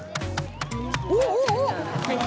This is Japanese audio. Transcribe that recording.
おっおっおっ！